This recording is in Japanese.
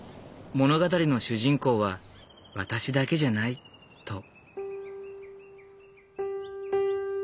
「物語の主人公は私だけじゃない」と。